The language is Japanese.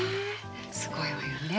すごいわよね。